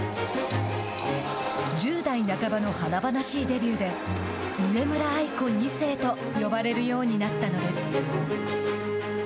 １０代半ばの華々しいデビューで上村愛子２世と呼ばれるようになったのです。